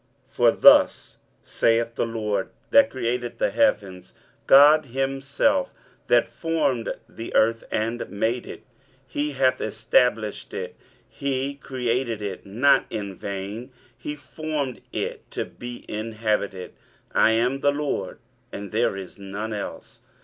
23:045:018 For thus saith the LORD that created the heavens; God himself that formed the earth and made it; he hath established it, he created it not in vain, he formed it to be inhabited: I am the LORD; and there is none else.